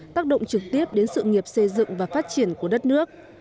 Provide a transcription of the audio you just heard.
tác động trực tiếp đến sự nghiệp xây dựng và phát triển của đất nước